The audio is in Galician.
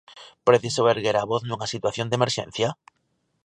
Precisou erguer a voz nunha situación de emerxencia?